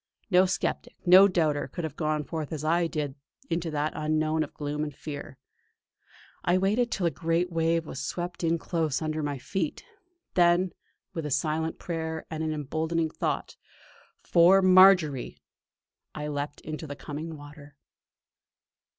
No sceptic, no doubter, could have gone forth as I did into that unknown of gloom and fear. I waited till a great wave was swept in close under my bare feet. Then, with a silent prayer, and an emboldening thought: 'For Marjory!' I leaped into the coming water.